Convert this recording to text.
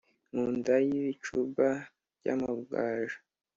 mu nda y’ibicuba by’amagaju